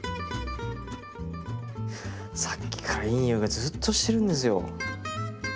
さっきからいい匂いがずうっとしてるんですよ。